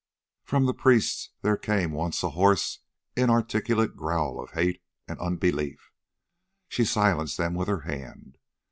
From the priests there came once a hoarse, inarticulate growl of hate and unbelief. She silenced them with her hand.